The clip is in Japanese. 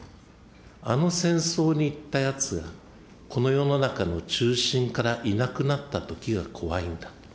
あの戦争に行ったやつがこの世の中の中心からいなくなったときが怖いんだと。